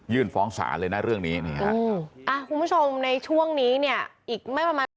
ฟ้องศาลเลยนะเรื่องนี้นี่ฮะคุณผู้ชมในช่วงนี้เนี่ยอีกไม่ประมาณ